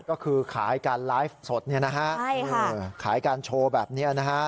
ก็คือขายการไลฟ์สดขายการโชว์แบบนี้